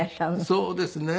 そうですね。